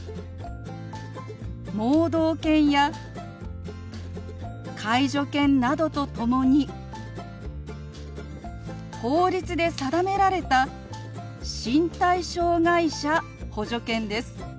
盲導犬や介助犬などと共に法律で定められた身体障害者補助犬です。